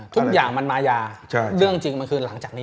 ทุกอย่างมันมายาเรื่องจริงมันคือหลังจากนี้